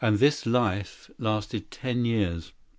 This life lasted ten years.